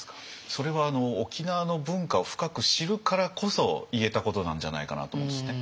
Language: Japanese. それは沖縄の文化を深く知るからこそ言えたことなんじゃないかなと思うんですね。